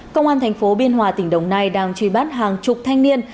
công an thành phố biên hòa tỉnh đồng nai đang truy bắt hàng chục thanh niên